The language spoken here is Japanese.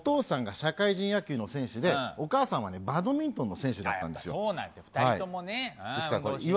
岩手出身なお父さんが社会人野球の選手で、お母さんはバドミントンの選手だったんですよ。